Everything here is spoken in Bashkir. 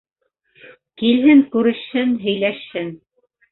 Килһен, күрешһен, һөйләшһен.